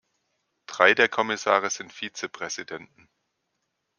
Drei der Kommissare sind Vizepräsidenten.